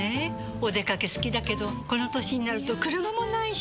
お出かけ好きだけどこの歳になると車もないし。